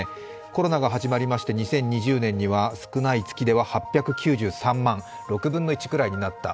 コロナが始まりまして２０２０年には少ない月では８９３万、６分の１ぐらいになった。